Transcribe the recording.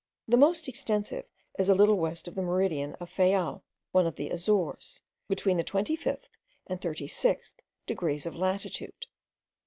The most extensive is a little west of the meridian of Fayal, one of the Azores, between the twenty fifth and thirty sixth degrees of latitude.